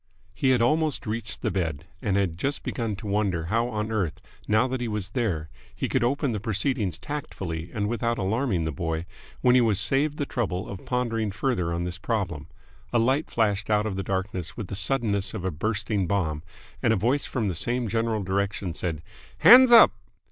He had almost reached the bed, and had just begun to wonder how on earth, now that he was there, he could open the proceedings tactfully and without alarming the boy, when he was saved the trouble of pondering further on this problem. A light flashed out of the darkness with the suddenness of a bursting bomb, and a voice from the same general direction said "Hands up!"